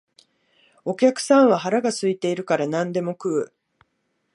お客さんは腹が空いているから何でも食う